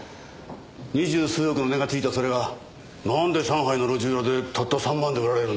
二十数億の値がついたそれがなんで上海の路地裏でたった３万で売られるんだ。